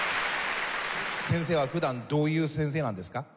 先生は普段どういう先生なんですか？